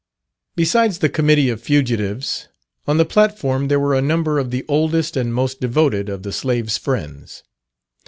Besides the committee of fugitives, on the platform there were a number of the oldest and most devoted of the Slave's friends.